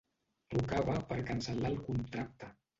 Trucava per cancel·lar el contracte.